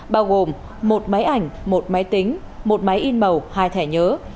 bao gồm một máy ảnh một máy tính một máy in màu hai thẻ nhớ